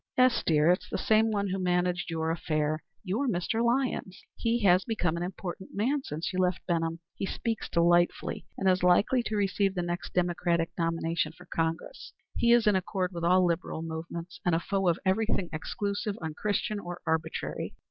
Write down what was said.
"Yes, dear, it is the same one who managed your affair. Your Mr. Lyons. He has become an important man since you left Benham. He speaks delightfully, and is likely to receive the next Democratic nomination for Congress. He is in accord with all liberal movements, and a foe of everything exclusive, unchristian or arbitrary.